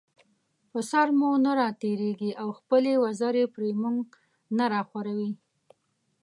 پر سر مو نه راتېريږي او خپلې وزرې پر مونږ نه راخوروي